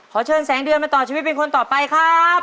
เชิญแสงเดือนมาต่อชีวิตเป็นคนต่อไปครับ